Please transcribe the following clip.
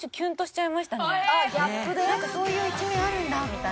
なんかそういう一面あるんだみたいな。